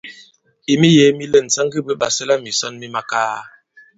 I miyēē mi lɛ̂n, sa ŋge bwě ɓàsɛlamìsɔn mi makaa.